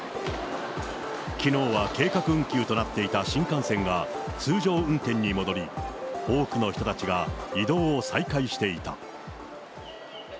きのうは計画運休となっていた新幹線が通常運転に戻り、多くの人たちが移動を再開していた。